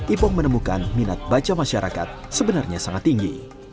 ipong menemukan minat baca masyarakat sebenarnya sangat tinggi